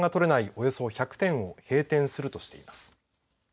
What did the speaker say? およそ１００店を閉店するとしています。